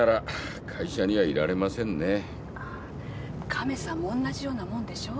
カメさんも同じようなもんでしょう？